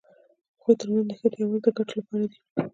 د هغوی تر منځ نښتې یوازې د ګټو لپاره دي.